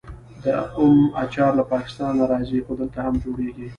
د ام اچار له پاکستان راځي خو دلته هم جوړیږي.